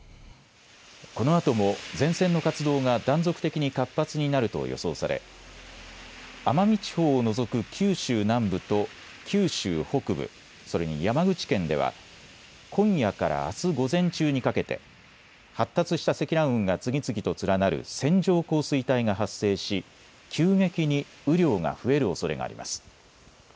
このあとも前線の活動が断続的に活発になると予想され奄美地方を除く九州南部と九州北部、それに山口県では今夜からあす午前中にかけて発達した積乱雲が次々と連なる線状降水帯が発生し急激に雨量が増えるおそれがあります。